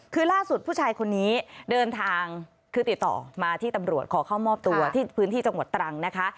คือล่าสุดผู้ชายคนนี้เดินทางคือติดต่อมาที่ตำรวจขอเข้ามอบตัวที่พื้นที่จังหวัดตรังนะคะ